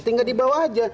tinggal dibawa aja